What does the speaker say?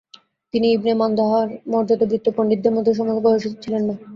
তিনি ইবনে মান্দাহর মর্যাদাবৃত্ত পণ্ডিতদের মধ্যে সমবয়সী ছিলেন না।